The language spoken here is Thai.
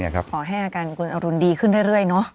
ขอให้อาการคุณอรุณดีขึ้นเรื่อยเนอะ